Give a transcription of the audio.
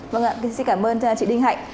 vâng ạ xin cảm ơn chị đinh hạnh